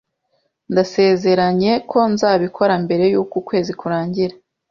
Ndasezeranye ko nzabikora mbere yuko ukwezi kurangira